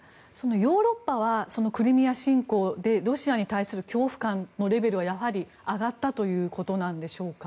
ヨーロッパはクリミア侵攻でロシアに対する恐怖感のレベルは上がったということなのでしょうか。